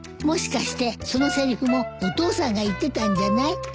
もしかしてそのせりふもお父さんが言ってたんじゃない？